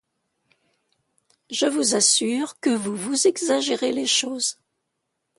Je vous assure que vous vous exagérez les choses.